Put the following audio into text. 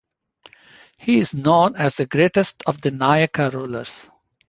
He is known as the greatest of the Nayaka rulers.